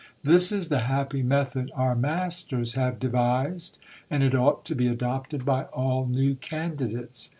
^ This is the happy method our masters have devised, and it ought to be adopted by all new candidates.